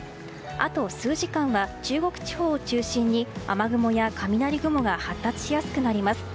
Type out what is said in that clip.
あと数時間は中国地方を中心に雨雲や雷雲が発達しやすくなります。